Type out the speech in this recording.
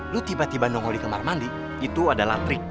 lu tiba tiba nono di kamar mandi itu adalah trik